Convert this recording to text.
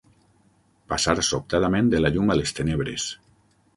Passar sobtadament de la llum a les tenebres.